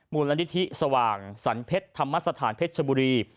มูลนิธิสว่างสรรเพชรธรรมสถานเพชรชบุรี